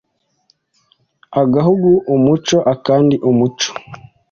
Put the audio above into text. Agahugu umuco, akandi umuco